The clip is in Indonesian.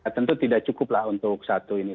tentu tidak cukup lah untuk satu ini